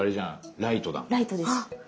ライトです。